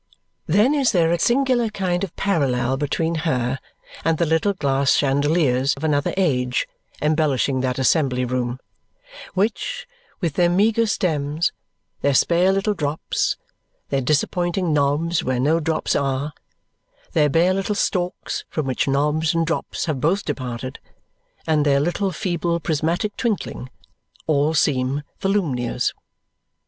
Then is there a singular kind of parallel between her and the little glass chandeliers of another age embellishing that assembly room, which, with their meagre stems, their spare little drops, their disappointing knobs where no drops are, their bare little stalks from which knobs and drops have both departed, and their little feeble prismatic twinkling, all seem Volumnias.